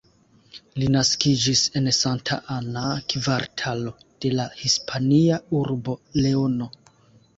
Li naskiĝis en Santa Ana, kvartalo de la Hispania urbo Leono.